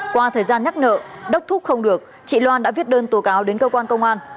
qua thời gian nhắc nợ đốc thúc không được chị loan đã viết đơn tố cáo đến cơ quan công an